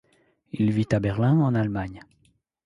Il vit à Berlin, en Allemagne.